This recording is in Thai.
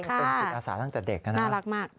เป็นจิตอาสาตั้งแต่เด็กน่ารักมาก